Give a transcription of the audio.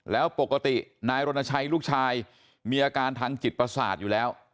แล้วปกตินายรณชัยลูกชายมีอาการทางจิตประสาทอยู่แล้ว